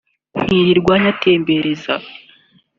nkirirwa nyatembereza